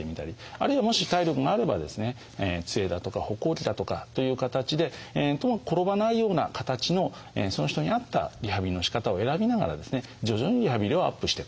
あるいはもし体力があればですねつえだとか歩行器だとかという形でともかく転ばないような形のその人に合ったリハビリのしかたを選びながらですね徐々にリハビリをアップしていくと。